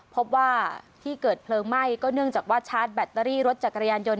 พบว่าที่เกิดเพลิงไหม้ก็เนื่องจากว่าชาร์จแบตเตอรี่รถจักรยานยนต